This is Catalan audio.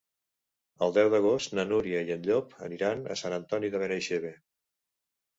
El deu d'agost na Núria i en Llop aniran a Sant Antoni de Benaixeve.